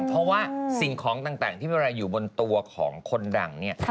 เพราะว่าสิ่งของต่างที่เวลาอยู่บนตัวของคนดังเนี่ย